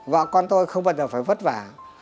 vợ con tôi không bao giờ phải vất vả